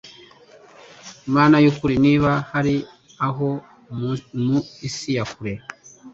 Mana y'ukuri niba hari aho mu isi ya kure